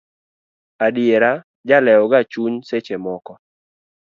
Adiera jalewo ga chuny seche moko.